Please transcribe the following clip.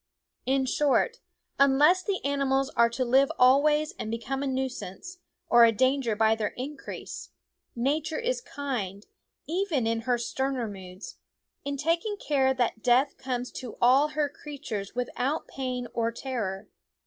In short, unless the animals are to live always and become a nuisance or a danger by their increase, Nature is kind, even in her sterner moods, in taking care that death comes to all her creatures without pain or terror.